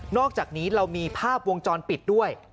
อกจากนี้เรามีภาพวงจรปิดด้วย